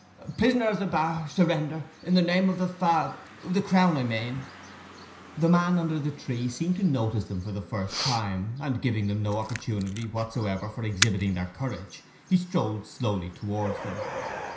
—Prisoner at the bar, surrender, in the name of the Father—the Crown, I mane!' The man under the tree seemed now to notice them for the first time, and, giving them no opportunity whatever for exhibiting their courage, he strolled slowly towards them.